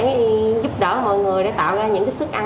mọi người để tạo ra những sức ăn